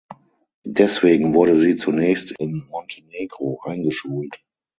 Deswegen wurde sie zunächst in Montenegro eingeschult.